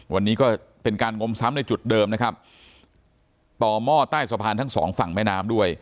วันนี้ก็เป็นการงมซ้ำในจุดเดิมนะครับต่อหม้อใต้สะพานทั้งสองฝั่งแม่น้ำด้วย